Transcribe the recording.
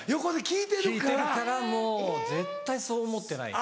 聞いてるからもう絶対そう思ってない。